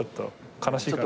悲しいから。